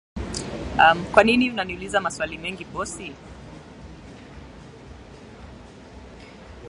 Kwa nini unaniuliza maswali mengi bosi?